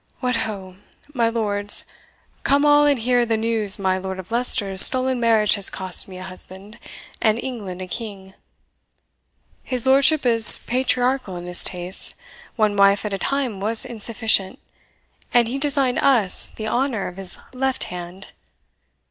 What ho! my lords, come all and hear the news my Lord of Leicester's stolen marriage has cost me a husband, and England a king. His lordship is patriarchal in his tastes one wife at a time was insufficient, and he designed US the honour of his left hand.